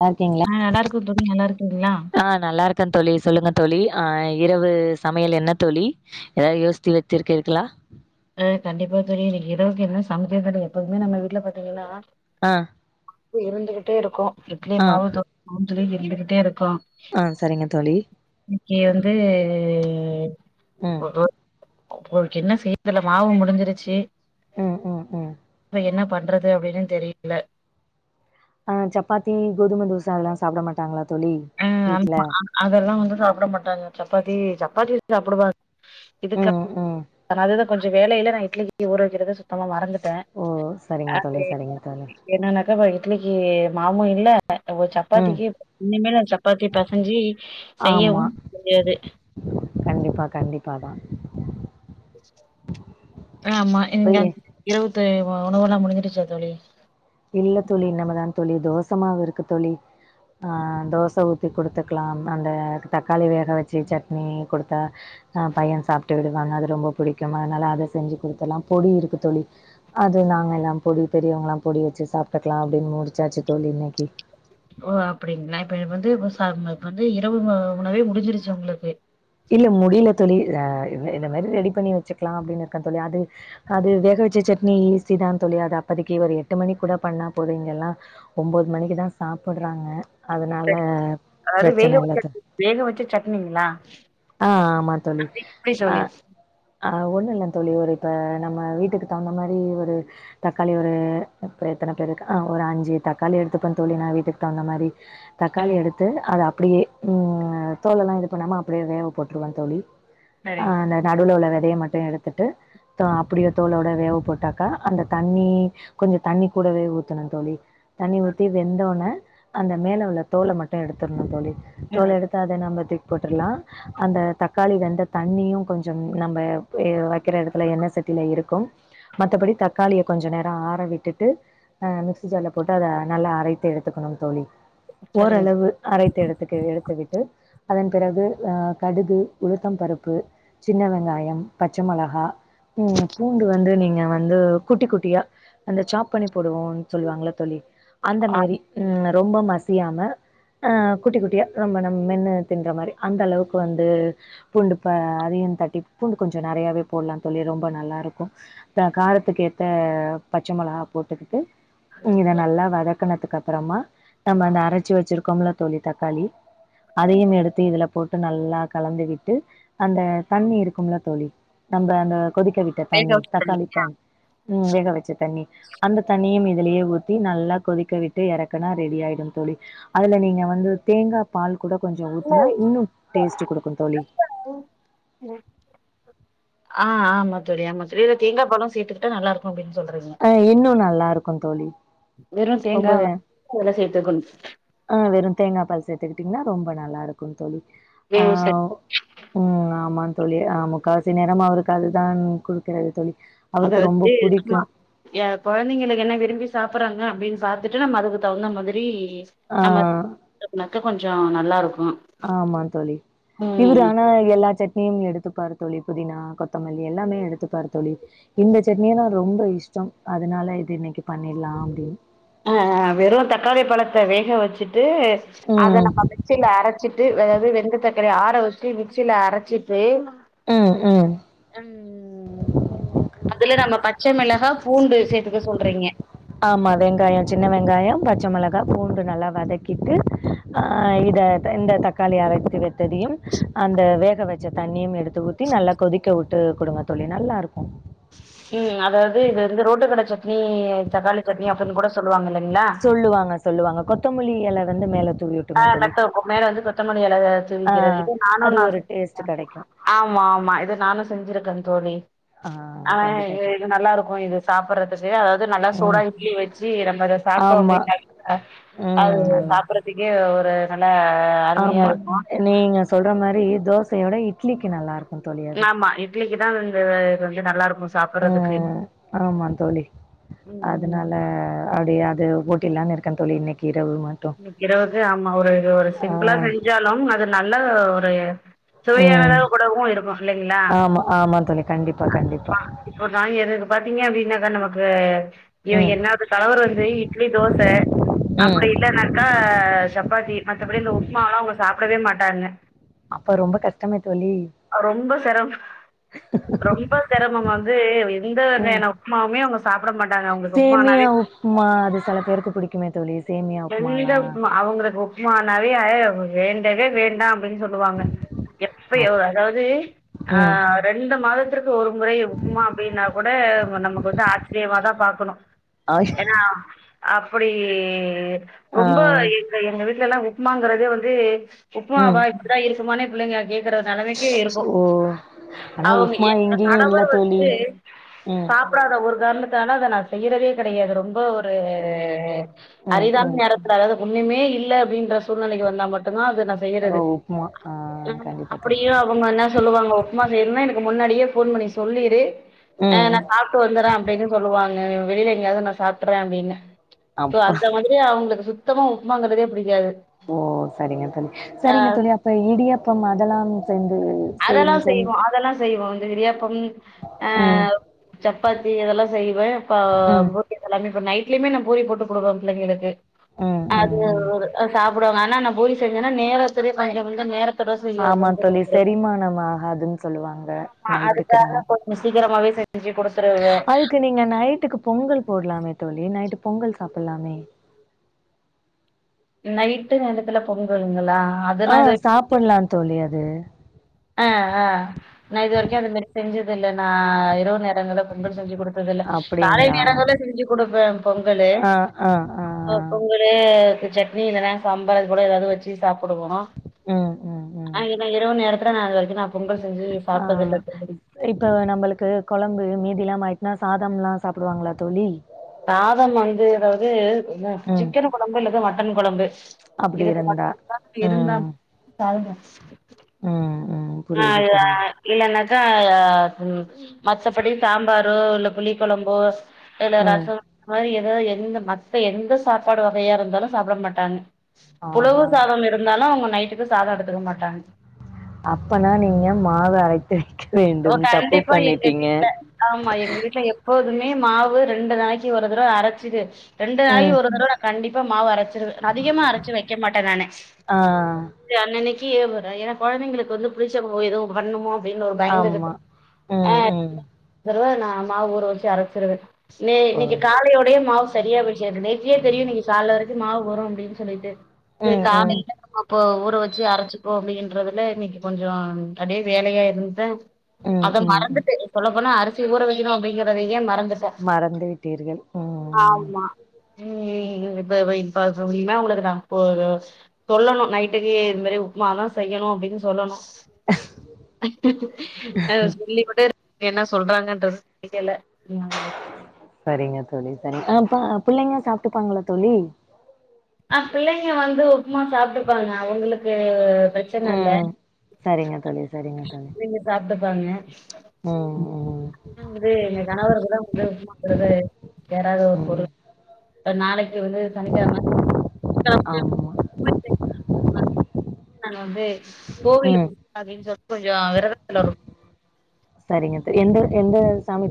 நல்லாருக்கீங்களா ஆ நல்லா இருக்கோ தோழி நல்லா இருக்கீங்களா? ஆ நல்லாருக் கன் தோழி சொல்லுங்க தோழி ஆ இரவு சமையல் என்ன தோழி ஏதாது யோசிச்சி வச்சிருக்கீர்களா ஆ கண்டிப்பா தோழி இன்னைக்கு இரவுக்கு என்ன சமக்கிறதுன்னு எப்போவுமே நம்ம வீட்டுல பாத்தீங்கன்னா ஆ மாவு இருந்துகிட்டே இருக்கும் இட்லி ஆ மாவு தோச மாவு சொல்லி இருந்துகிட்டே இருக்கு ஆ சரிங்க தோழி இன்னைக்கு வந்து ம் ஓ உங்களுக்கு என்ன செய் தெர்ல மாவு முடிஞ்சிருச்சு ம் ம் ம் இப்ப என்ன பண்றது அப்டின்னு தெரியல ஆ சப்பாத்தி கோதும தோச அதெல்லா சாப்பிட மாட்டாங்களா தோழி அ வீட்ல ஆமா அதெல்லா வந்து சாப்பிட மாட்டாங்க சப்பாத்தி சப்பாத்தி சாப்பிடுவா இதுக்கு ம் ம் காலைல கொஞ்சம் வேலையில நா இட்லிகி ஊரவக்கறத சுத்தமா மறந்து ட ஓ சரிங்க அது தோழி சரிங்க தோழி என்னனாக்க இப்ப இட்லிக்கு மாவும் இல்ல ம் சப்பாத்திக்கு இனிமே சப்பாத்தி பெசஞ்சு ஆமா செய்யவும் முடியாது கண்டிப்பா கண்டிப்பாதா ஆ ஆமா இங்க அப்பயே இரவு உணவல்லாம் முடிஞ்சிருச்சா தோழி இல்ல தோழி இன்னமா தா தோழி தோசமாவு இருக்கு தோழி ஆ தோச ஊத்தி குடுத்துக்கலா அந்த தக்காளி வேக வச்சு சட்னி கொடுத் த்தா பையன் சாப்டு விடு அது ரொம்ப புடிக்கும் அதனால அத செஞ்சு குடுத்தலாம் பொடி இருக்கு தோழி அது நாங்க எல்லாம் பொடி பெரியவங்களா பொடி வச்சு சாப்டுக்கலா அப்டின்னு முடிச்சாச்சு தோழி இன்னைக்கு ஓ அப்டிங்களா இப்ப வந்து இ வந்து இரவு உணவே முடிஞ்சிருச்சு உங்களுக்கு இல்ல முடியல தோழி ஆ என்ன என்ன மேரி ரெடி பண்ணி வச்சுக்கலா அப்டின்னு இருக்க தோழி அது அது வேக வச்ச சட்னி ஈசிதா தோழி அது அப்பதைக்கு ஒரு எட்டு மணிக் கூட பண்ணா போது இங்கெல்லா ஒம்போது மணிக்குதா சாப்புட்றாங்க அதனால சரி அதாவது வேக பிரச்சன இல்ல வச்ச தோ வேக வச்ச சட்னிங்களா ஆ ஆமா தோழி அது எப்டி ஆ தோழி ஆ ஒன்னு இல்ல தோழி ஒரு இப்ப நம்ம வீட்டுக்கு தகுந்த மாரி ஒரு தக்காளி ஒரு இப்ப எத்தன பேருக்கு ஆ ஒரு அஞ்சு தக்காளி எடுத்துப்ப தோழி நா வீட்டுக்கு தகுந்த மாரி தக்காளி ம் எடுத்து அத அப்டியே ம் தோலல்லா இது பண்ணாம அப் ப்டியே வேவ போட்டுருவ தோழி ஆ சரி அந்த நடுவுல உள்ள வெதைய மட்டு எடுத்துட்டு தா அப்டியே தோலோட வேவ போட்டாக்கா அந்த தண்ணி கொஞ்ச தண்ணி கூடவே ஊத்தணு தோழி தண்ணி ஊத்தி வெந்தோன்ன அந்த மேல உள்ள தோல மட்டு எடுத்துரணு தோழி தோல ம் எடுத்து அத நம்ம தூக்கி போட்ருலா அந்த தக்காளி வெந்த தண்ணியு கொஞ்சம் நம்ம ஆ வக்கிற எடத்துல எண்ண சட்டியில இருக்கு மத்தபடி தக்காளிய கொஞ்ச நேர ஆற விட்டுட்டு ஆ மிக்சி ஜார்ல போட்டு அத நல்லா அரைத்து எடுத்துக்கணு தோழி சரிங்க ஓரளவு அரைத்து எடுத்துட்டு எடுத்துக்கிட்டு அதன் பிறகு ஆ கடுகு உளுத்தம் பருப்பு சின்ன வெங்காயம் பச்ச மொளகா ம் பூண்டு வந்து நீங்க வந்து குட்டி குட்டியா அந்த சாப் பண்ணி போடுவோனு சொல்லுவாங்கல்ல தோழி அந்த ஆ மேரி ரொம்ப மசியாம ஆ குட்டி குட்டிய ரொம்ப நம்ம மென்னு தின்ற மேரி அந்தளவுக்கு வந்து பூண்டு இப்ப அதையு தட்டி பூண்டு கொஞ்ச நெறையாவே போட்லா தோழி ரொம்ப நல்லா இருக்கும் அதா காரத்துக்கு ஏத்த பச்ச மொளகா போட்டுக்கிட்டு நீங்க இத நல்லா வதக்கனதுக்கு அப்பறமா நம்ம அந்த அரைச்சு வச்சிருக் கோம்ல தோழி தக்காளி அதையும் எடுத்து இதுல போட்டு நல்லா கலந்துவிட்டு அந்த தண்ணி இருக்கும்ல தோழி நம்ப அந்த கொதிக்க விட் ட வேக தண்ணி வச்ச சட்னி தக்காளித் தண்ணி ம் வேக வச்ச தண்ணி அந்த தண்ணியும் இதுலயே ஊத்தி நல்லா கொதிக்க விட்டு எறக்குனா ரெடி ஆயிடு தோழி அதுல நீங்க வந்து தேங்கா பால் கூட கொஞ்ச ஊத்துனா இன்னு டேஸ்ட்டு குடுக்கு தோழி ம் ஆ ஆமா தோழி ஆமா தோழி இதுல தேங்கா பாலு சேத்துக்கிட்டா நல்லாருக்கும் அப்டின்னு சொல்றீங்க ஆ இன்னு நல்லாருக்கு தோழி வெறு தேங்கால அதுல சேத்துக்கணு ஆ வெறும் தேங்கா பால் சேத்துக்கிட்டீங்கன்னா ரொம்ப நல்லாருக்கு தோழி ஏவு செரி ஆ ம் ஆமா தோழிநா முக்காவாசி நேரம் அவருக்கு அதுதான் குடுக்குறது தோழி அவருக்கு ரொம்ப புடிக்கு ஏ‌ கொழந்தைங்களுக் என்ன விரும்பி சாப்புறாங்க அப்டின்னு பாத்துட்டு நம்ம அதுக்கு தகுந்த மாதிரி ஆ னக்கா கொஞ்ச நல்லாருக்கும் ஆமா தோழி இவரு ஆனா எல்லா சட்னியும் எடுத் எடுத்துப்பார் தோழி புதினா கொத்தமல்லி எல்லாமே எடுத்துப்பார் தோழி இந்த சட்னி தா ரொம்ப இஷ்ட அதனால இது இன்னைக்கு பண்ணிலா அப்டின்னு ஆ ஆ வெறு தக்காளி பழத்த வேக வச்சி ட்டு அத ம். நம்ம மிக்சில அரைச்சிட்டு வெறு வெந்த தண் செரியா ஆற வச்டு மிக்சில அரச்சிட்டு ம் ம் ம் அதுல நம்ம பச்ச மிளகா பூண்டு சேத்துக்க சொல்றீங்க ஆமா வெங்காய சின்ன வெங்காய பச்ச மிளகா பூண்டு நல்லா வதக்கிட்டு அ இத த இந்த தக்காளி அரச்சு வெத்ததையு அந்த வேக வச்ச தண்ணியு எடுத் து ஊத்தி நல்லா கொதிக்க வுட்டு குடுங்க தோழி நல்லாருக்கு ம் அதாவது இது வந்து ரோட்டு கட சட்னி தக்காளி சட்னி அப்டின் கூட சொல் சொல்லுவாங்க சொல்லுவாங்க கொத்துமல்லி இல வந்து மேல தூவி வுட் ஆ மெத்த உ மேல வந்து கொத்தமல்லி இல ஆ தூவிக்கிறது இல்ல நானு அது நா ஒரு டேஸ்ட் சொன்ன கெடைக்கும். ஆமா ஆமா இத நானு செஞ்சிருக்க தோழி ம் அவ இ இது நல்லா இருக்கு இது சாப்பிறதுக்கு அதாவது நல்லா சூடா ம். இட்லி வச்சு நம்ம அத சாப்பிட்டோ ஆமா. அப்டின்னா அது ம் நல்லா சாப்புறதுக்கே ஒரு நல்ல அருமியா ஆமா. இருக்கு நீங்க சொல்ற மாரி தோசையோட இட்லிக்கு நல்லார்க் ஆமா இட்லிக்கு தா இது வந்து நல்லா இருக்கு சாப்புட்றதுக்கு ம் ஆமா தோழி அத் அதனால அப்டியே அது ஓட்டிலான்னு இருக்க தோழி இன்னைக்கி இரவு மட்டு இரவந்து ஆமா ஒரு ஒரு சிம்பிளா செஞ்சாலு அது நல்ல ஒரு ம். சுவையானதாவு கூடவு இருக்கு இல்லைங்ளா ஆமா, ஆமா தோழி. கண்டிப்பா, கண்டிப்பா. ஒருடாங்க எதுக்கு பாத்தீங்க மீனதா நமக்கு இவ ம், என்னாவது தலவர் வந்து இட்லி தோச ம். அப்டி இல்லனாக்கா சப்பாத்தி மத்தபடி இந்த உப்புமாலா அவுங்க சாப்பிடவே மாட்டாங்க அப்ற ரொம்ப கஷ்டமே தோழி அவ ரொம்ப செரம் ரொம்ப செரம வந்து எந்த ம். வேன உப்மாவுமே அவுங் சாப்ட மாட்டாங்க அவுங்க சேமியா உப்புமா அது செல பேருக்கு புடிக்குமே தோழி சேமியா எந்த உப்மாலா ம்மா அவுங்களுக்கு உப்புமானாவே வேண்டவே வேண்டா அப்டின் சொல் லுவாங்க எப்பயோ அப் அதாவது ஆ ம் ரெண்டு மாதத் திற்க்கு ஒரு முறை உப்புமா அப்டின்னா கூட நமக்கு வந்து ஆச்சரியமாதா பாக்கணு ஆய் ஏனா அப்டி ஆ ரொம்ப இ எங்க வீட்லலா உப்புமாங்கறதே வந்து ம் உப்புமாவா இப்டிதா இருக்குமானே பிள்ளைங்க கேக்கறது நெலமைக்கு இருக்கு ஓ ஆனா அவுங்க உப்மா எ எங்கேயு இல்ல கணவர் தோழி வந்து ம் சாப் டாத ஒரு காரணத்தால அத நா செய்யறதே கெடையாது ரொம்ப ஒரு ம் அரிதான ம் நேரத்தில அதாது ஒண்ணுமே இல்ல அப்டின்ற சூழ்நிலைக்கு வந்தா மட்டுந்தா அது நா செ ஓ செய்யறது உப்மா ஆ கண்டிப்பா தோழி அப்டியு அவுங்க இன்ன சொல்லுவாங்கோ உப்புமா செய்றதுனா எனக்கு முன்னாடியே போன் பண்ணி சொல்லிரு அ ம் நா சாப் ட்டு வந்துட்ற அப்டின் சொல்லுவாங்க வெளிய எங்யாது நா சாப்ட்றே அப்டினு அப்பா இனியு அவுங்ளுக்கு சுத்தமா உப்புமாங்கிறதே புடிக்காது ஓ சரிங்க தோழி சரிங்க தோழி அப்ப இடியாப்ப அதெல்லா வந் சேந்து அதெலா செஞ் செஞ் செய்வோ அதெல்லா செய்வோ இந்த இடியாப்பம் அ ம் சப்பாத்தி இதெல்லா செய்வே ப ம் பு [unintelligible] நைட்லுமே நா பூரி போட்டு குடுப்போ பிள்ளைங்களுக்கு ம் அது ம் ம் ஒரு சாப் டுவாங்க ஆனா நா பூரி செஞ்சேனா நேரத்திலே கொஞ்சோ வந்து நேரத் திலே செஞ்சு ஆமா தோழி குடுத்துருவே செரிமானம் ஆகாதுன்னு சொல்லுவாங்க ஆமா நைட்டுக்குனா அதுக்காக கொஞ்சோ சீக்கிரமவே செஞ்சி குடுத் அதுக்கு நீங்க நைட்டுக்கு பொங்கல் போட்லாமே தோழி நைட்டு பொங்கல் சாப்பிட்லாமே நைட்டு நேரத்துல பொங்கலுங்களா ஆ அதுனா இது சாப்பிட்லா தோழி அது ஆ ஆ நா இது வரைக்கு அந்த மேரி செஞ்சது இல்ல நா இரவு நேரங்கள பொங்கல் செஞ்சி குடுத் த்ததில்ல காலை அப்டிங்களா நேரங்கள்ல செஞ்சி குடுப்பே பொங்கலு ஆ ஆ ஆ ஆ. பொங்கலு சட்னி இல்லன்னா சாம்பார் அது போல ஏதாவது வெச்சி சாப்பிடுவோ ம் ம் ம் ஆனா இரவு நேரத்துல நா இது வரைக்கு நா பொங்கல் செஞ்சி ஆ இப்ப நம்மளுக்கு கொழம்பு மீதில்லாம ஆயிட்டுனா சாதம்ல சாப்புடுவாங்களா தோழி சாதம் வந்து அதாவது ம் சிக்கன் கொழம்பு இல்லது மட்டன் கொழம்பு அப்டி இதுக்கு இருந்தா மட்டு ம் தா [unintelligible] ம் ம் புரியுது புரியுது [unintelligible] இல்லன்னாக்கா ஆ மத்தபடி சாம்பரோ இல்ல புளி கொழம்போ இல்ல ம் ரச மாரி ஏதோ எந்த மத்த எந்த சாப்பாடு வகையா இருந்தாலு சாப்புட மாட்டாங்க புழவு ஆஹா சாதம் இருந்தாலும் அவுங்க நைட்டுக்கு சாதோ எடுத்துக்க மாட்டாங்க அப்பன்னா நீங்க மாவு அரைத்து வைக்க ஓ வேண்டும் தப்பு கண்டிப்பா எங்க பண்ணிட்டீங்க வீட்ல ஆமா எங்க வீட்ல எப்போதுமே மாவு ரெண்டு நாளிக்கி ஒரு தடவ அரச்சிடு ரெண்டு ம் நாளுக்கு ஒரு தடவ நா கண்டிப்பா மாவு அரச்சிடுவே அதிகமா அரச்சு வைக்க மாட்டே நானு ஆ அன்னன்னைக்கி ஏன்னா கொழந்தைகளுக்கு வந்து புளிச்சா எதுவு பண்ணமோ அப்டின்னு ஒரு பயந் [unintelligible] ஆமா. ம், ம். ஊர வெச்சி அரச்சிருவே நே ஓ! இன்னிக்கு காலையோடையே மாவு செரியா போயிச்சி நேத்தியே தெரியு இன்னிக்கி காலில வரைக்கு மாவு வரு அப்படின்னு சொல்லிட்டு சேரி ம், ம். காலைல்ல அப்போ ஊற வெச்சு அரச்சிகோ அப்புடின்றதுல இன்னிக்கி கொஞ்சோ அப்பிடியே வேலையா இருந்துட்ட ம், அத ம், ம். மறந்துட்டு சொல்ல போனா அரிசி ஊற வொக்கணு அப்பிடிங்ரதையே மறந்து மறந்து விட்டீர்கள் ம் ம் [unintelligible] சொல்லனு நைட்டுக்கு இது மாரி உப்புமா தா செய்யணு அப்டின்னு சொல்லணு [unintelligible] என்ன சொல்றாங்கன்றது தெரியல ம் செரிங்க தோழி செரிங்க அ ப பிள்ளைங்க சாப்புட்பாங்களா தோழி ஆ பிள்ளிங்க வந்து உப்புமா சாப்பிட்டுப்பாங்க அவுங்களுக்கு பிரச்சன இல்ல ம். சரிங்க தோழி, சரிங்க தோழி. அவிங்க சாப்பிட்டுப்பாங்க ம் ம், வந்து எங்க கணவர்கள் தா வந்து உப்மாங்கறது சேராத ஒரு ம். பொருள் நாளிக்கி வந்து சனிக்கிழம ஆமா. [unintelligible] கோவிலுக்கு ம். போலா அப்டின்னு சொல்லிட்டு கொஞ்சோ விரதத்தில இருக் சரிங்க என்ட எந்த சாமி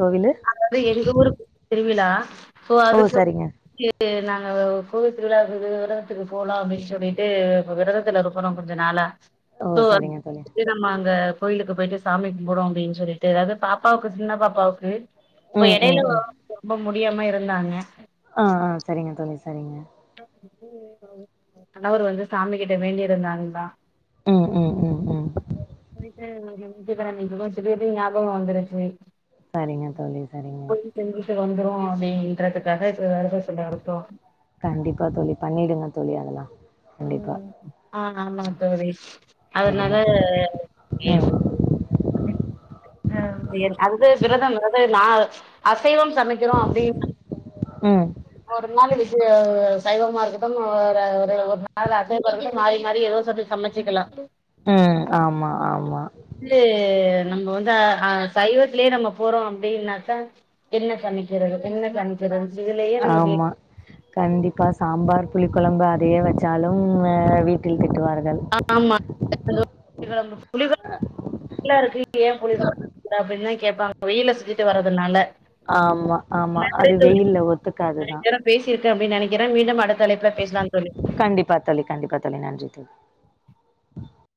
கோவிலு அது எங்க ஊரு திருவிழா சோ ஓ! அதுக்கு சரிங்க. எங் நாங்க கோவி திருவிழாவுக்கு விரதத்துக்கு போலா அப்டின்னு சொல்லிட்டு விரதத்துல இருக நா கொஞ்ச நாளா ஓ! சரிங்க தோழி. [unintelligible] ஆமாங்க கோயிலுக்கு போயிட்டு சாமி கும்புறோ அப்டின்னு சொல்லிட்டு அதாவது பாப்பாவுக்கு சின்ன பாப்பாவுக்கு இப்ப ம், எடையில ம், ம். ரொம்ப முடியாம இருந்தாங்க அ அ சரிங்க தோழி சரிங்க கணவர் வந்து சாமி கிட்ட வேண்டியிருந்தாங்ளா ம் ம் ம் ம் போயிட்டு [unintelligible] திடீர்னு ஞாபகோ வந்துருச்சி சரிங்க தோழி சரிங்க செஞ்சுட்டு வந்துரோ அப்டின்றதுக்காக இப்ப வெரதத்துல இருக்கோ கண்டிப்பா தோழி பண்ணிடுங்க தோழி அதெல்லா அ ஆமா தோழி சரிங்க அதனால தோழி. எ ம். [inaudible] அது விரதம் விரதது நா அசைவம் சமைக்கிறோ ம். அப்டின்னா ஒரு நாள் விஜய சைவமா இருக்கட்டும் ஒரு ஒரு ஒரு நாள் அசைவம் இருக்கட்டு மாரி மாரி ஏதோ சத்த சமச்சிக்கலா ம் ஆமா ஆமா வந்து நம்ம வந்து அ அ சைவத்லயே நம்ம போறோ அப்டின்னாக்கா என்ன பண்ணிக்கறது என்ன பண்றது இதுலயே நம்ம வீ ஆமா. கண்டிப்பா சாம்பார் புளி கொழம்பு அதயே வச்சாலு அ வீட்டில் திட்டுவார்கள் அ ஆமா [unintelligible] வெயிலா இருக்கு இப்ப ஏ புளிக்கொழம்பு அப்டின்னு கேப்பாங்க வெயில்ல சுத்தி ட்டு வர்றதுனால ஆமா, ஆமா. நன்றி அது தோழி வெயில்ல ஒத்துக்காதுதான். [inaudible] பேசிருக்க அப்டின் நெனைக்கிற மீண்டும் அடுத்த அழைப்புல பேசலாம் தோழி ப்பா தோழி கண்டிப்பா தோழி நன்றி தோழி